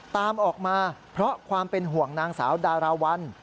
ตามออกมาเพราะความเป็นห่วงนางสาวดาราวัล